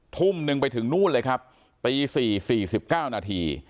ทุ่มหนึ่งไปถึงนู้นเลยครับปีสี่สี่สิบเก้านาที